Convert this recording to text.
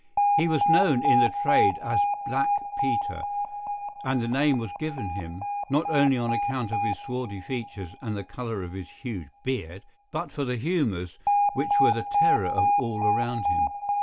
He was known in the trade as Black Peter, and the name was given him, not only on account of his swarthy features and the colour of his huge beard, but for the humours which were the terror of all around him.